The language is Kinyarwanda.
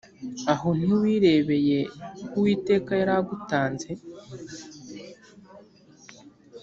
aho ntiwirebeye ko uwiteka yari agutanze